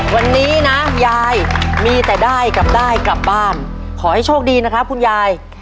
วันนี้นะยายมีแต่ได้กับได้กลับบ้านขอให้โชคดีนะครับคุณยาย